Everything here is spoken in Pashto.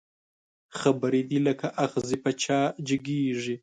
خبري دي لکه اغزي په چا جګېږي